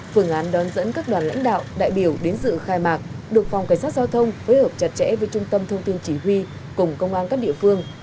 phương án đón dẫn các đoàn lãnh đạo đại biểu đến dự khai mạc được phòng cảnh sát giao thông phối hợp chặt chẽ với trung tâm thông tin chỉ huy cùng công an các địa phương